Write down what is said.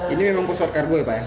ini memang pesawat kargo ya pak ya